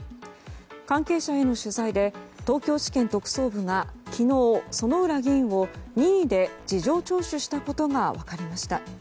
関係者への取材で東京地検特捜部が昨日薗浦議員を任意で事情聴取したことが分かりました。